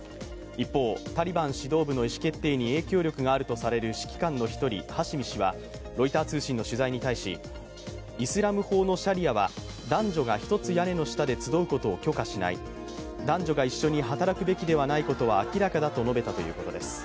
一方、タリバン指導部の意思決定に影響力があるとされる指揮官の一人、ハシミ氏はロイター通信の取材に対しイスラム法のシャリアは男女が一つ屋根の下で集うことは許可しない、男女が一緒に働くべきでないことは明らかだと述べたということです。